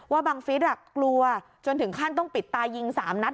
บังฟิศกลัวจนถึงขั้นต้องปิดตายิง๓นัด